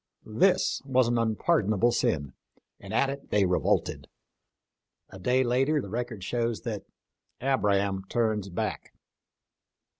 This was an unpardonable sin, and at it they revolted. A day later the record shows that " Abram turns Back."